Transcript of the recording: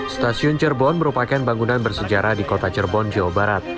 stasiun cirebon merupakan bangunan bersejarah di kota cirebon jawa barat